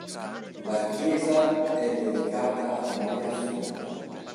La chiesa è dedicata a Maria Assunta.